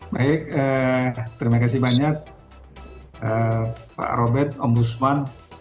baik terima kasih banyak pak robert om busman